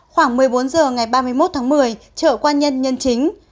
khoảng một mươi bốn h ngày ba mươi một tháng một mươi chở quan nhân nhân chính